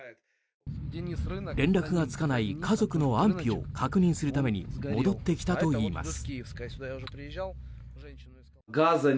連絡がつかない家族の安否を確認するために戻ってきたといいます。